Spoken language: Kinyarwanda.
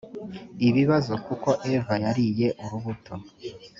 ibibazo kuki eva yariye urubuto